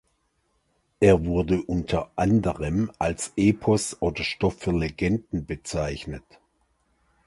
Es wurde unter anderem als Epos oder Stoff für Legenden bezeichnet.